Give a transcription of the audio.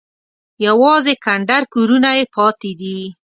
یوازې کنډر کورونه یې پاتې دي.